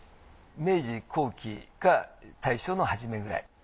明治後期か大正の始めくらい。